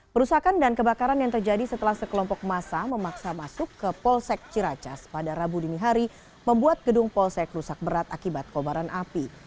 perusakan dan kebakaran yang terjadi setelah sekelompok masa memaksa masuk ke polsek ciracas pada rabu dini hari membuat gedung polsek rusak berat akibat kobaran api